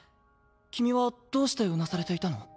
君はどうしてうなされていたの？